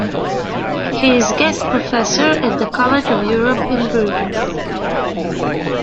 He is guest professor at the College of Europe in Bruges.